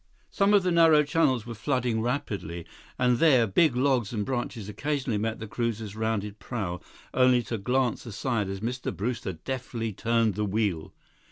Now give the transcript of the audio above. Some of the narrow channels were flooding rapidly, and there, big logs and branches occasionally met the cruiser's rounded prow, only to glance aside as Mr. Brewster deftly turned the wheel.